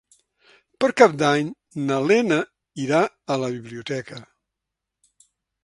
Per Cap d'Any na Lena irà a la biblioteca.